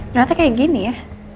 ternyata kayak gini ya